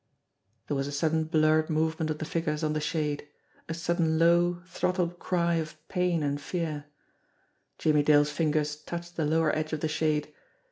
There was a sudden blurred movement of the figures on the shade a sudden low, throttled cry of pain and fear. Jimmie Dale's fingers touched the lower edge of the shade.